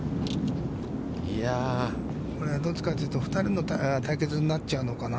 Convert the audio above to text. これはどっちかというと、２人の対決になっちゃうのかな。